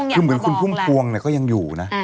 คุณคุณภูมิพวงก็ยังอยู่นะ